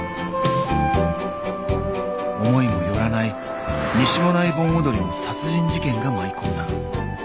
［思いも寄らない西馬音内盆踊りの殺人事件が舞い込んだ］